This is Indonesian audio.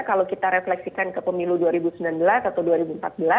kalau kita refleksikan ke pemilu dua ribu sembilan belas atau dua ribu empat belas